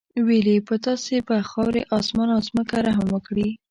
ویل یې په تاسې به خاورې، اسمان او ځمکه رحم وکړي.